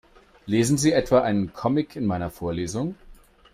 Lesen Sie etwa einen Comic in meiner Vorlesung?